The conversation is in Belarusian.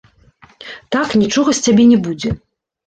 Так нічога з цябе не будзе.